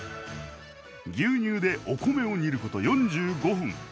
牛乳でお米を煮ること４５分。